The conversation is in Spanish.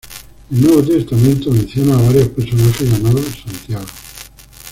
El Nuevo Testamento menciona a varios personajes llamados Santiago.